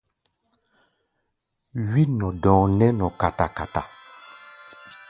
Wí-nɔ-dɔ̧ɔ̧ nɛ́ nɔ kata-kata.